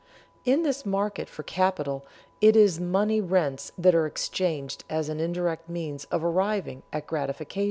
In this market for capital it is money rents that are exchanged as an indirect means of arriving at gratifications.